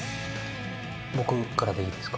僕からでいいですか？